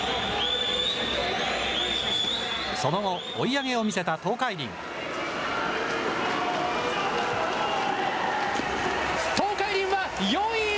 その後、追い上げを見せた東海林。